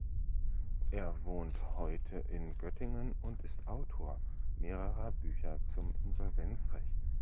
Er wohnt heute in Göttingen und ist Autor mehrerer Bücher zum Insolvenzrecht.